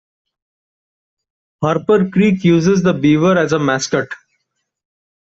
Harper Creek uses the Beaver as a mascot.